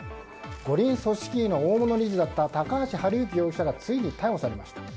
五輪組織委の大物理事だった高橋治之容疑者がついに逮捕されました。